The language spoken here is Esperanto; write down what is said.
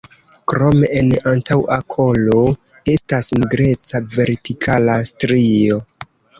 Krome en antaŭa kolo estas nigreca vertikala strio.